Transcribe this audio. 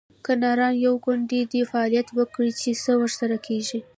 که نران یو، یو ګوند دې فعالیت وکړي؟ چې څه ورسره کیږي